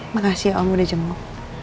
makasih om udah jempol